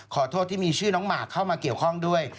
ขอโทษที่มีชื่อน้องหมากเข้ามาเกี่ยวข้องด้วย